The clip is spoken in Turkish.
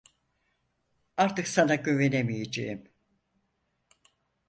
Artık sana güvenemeyeceğim!